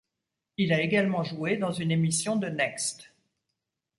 Il a également joué dans une émission de Next.